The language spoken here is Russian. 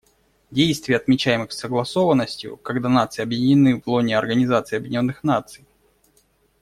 Действий, отмечаемых согласованностью, — когда нации объединены в лоне Организации Объединенных Наций.